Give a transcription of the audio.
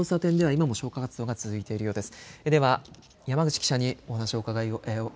現在も消火活動続いているようです。